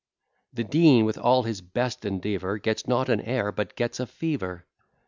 The Dean, with all his best endeavour, Gets not an heir, but gets a fever.